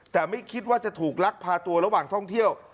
แต่ไม่คิดว่าจะถูกลักพาตัวระหว่างท่องเที่ยว